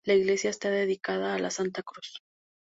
La iglesia está dedicada a La Santa Cruz.